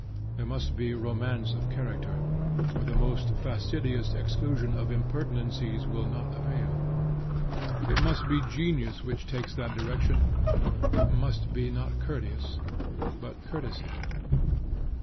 There must be romance of character, or the most fastidious exclusion of impertinencies will not avail. It must be genius which takes that direction: it must be not courteous, but courtesy.